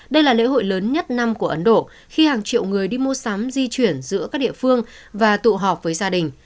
đây là lễ hội lớn nhất năm của ấn độ khi hàng triệu người đi mua sắm di chuyển giữa các địa phương và tụ họp với gia đình